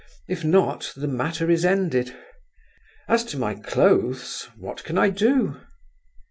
If not, the matter is ended. As to my clothes—what can I do?"